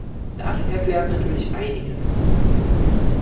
Das erklärt natürlich einiges.